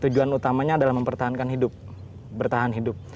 tujuan utamanya adalah mempertahankan hidup bertahan hidup